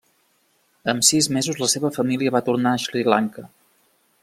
Amb sis mesos la seva família va tornar a Sri Lanka.